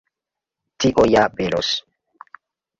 Tio ja belos!